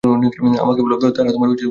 আমাকে বল, তারা তোমার মন নিয়ন্ত্রণ করেছে।